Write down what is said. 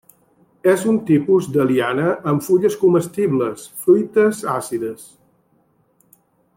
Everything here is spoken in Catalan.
És un tipus de liana amb fulles comestibles, fruites àcides.